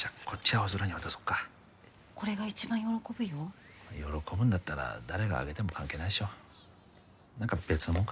青空に渡そっかこれが一番喜ぶよ喜ぶんだったら誰があげても関係ないでしょ何か別のもの